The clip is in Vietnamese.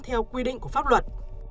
theo quy định của pháp luật